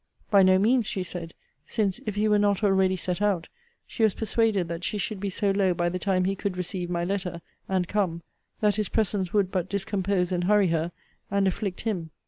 By no means, she said; since, if he were not already set out, she was persuaded that she should be so low by the time he could receive my letter, and come, that his presence would but discompose and hurry her, and afflict him.